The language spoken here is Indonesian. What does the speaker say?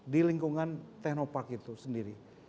di lingkungan teknopark itu sendiri